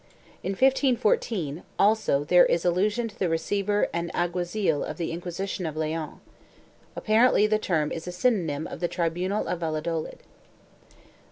In 1514, also there is allusion to the receiver and alguazil of the Inquisition of Leon.1 Apparently the term is a synonym of the tribunal of Valladolid.